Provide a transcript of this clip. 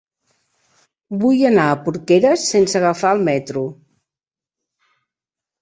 Vull anar a Porqueres sense agafar el metro.